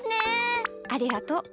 ありがとう。ほら！